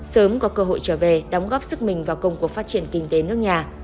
sớm có cơ hội trở về đóng góp sức mình vào công cuộc phát triển kinh tế nước nhà